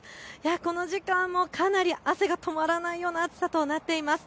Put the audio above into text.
この時間もかなり汗が止まらないような暑さとなっています。